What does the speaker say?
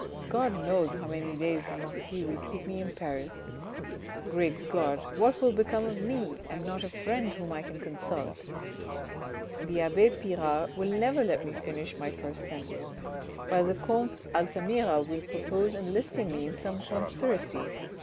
God knows how many days the marquis will keep me in Paris. Great God, what will become of me, and not a friend whom I can consult ? The abbe Pirard will never let me finish my first sentence, while the comte Altamira will propose enlisting me in some conspiracy.